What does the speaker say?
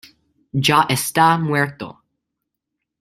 Ya está muerto.